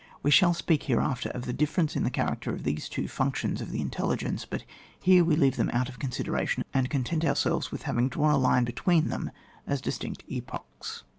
We shall speak here after of the difference in the character of these two functions of the intelligence, but here we leave them out of consi deration, and content ourselves with having drawn a line between them as distinct epochs.